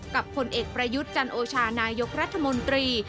ผลเอกประยุทธ์จันโอชานายกรัฐมนตรี